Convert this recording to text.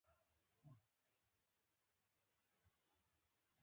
خلک به خامخا د چیني او طالب خبره کوي.